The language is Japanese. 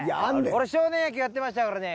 俺少年野球やってましたからね。